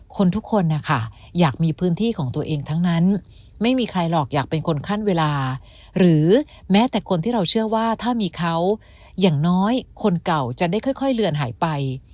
ทุกคนนะคะอยากมีพื้นที่ของตัวเองทั้งนั้นไม่มีใครหรอกอยากเป็นคนขั้นเวลาหรือแม้แต่คนที่เราเชื่อว่าถ้ามีเขาอย่างน้อยคนเก่าจะได้ค่อยเลือนหายไป